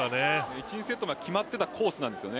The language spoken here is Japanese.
１２セットまで決まっていたコースなんですよね。